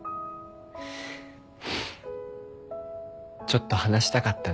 ちょっと話したかっただけ。